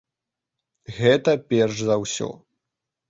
Гэта перш за ўсё.